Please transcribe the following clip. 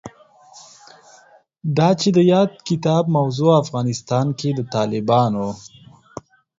دا چې د یاد کتاب موضوع افغانستان کې د طالبانو